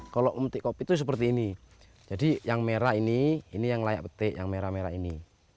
kalau memetik kopi itu seperti ini jadi yang merah ini ini yang layak petik yang merah merah ini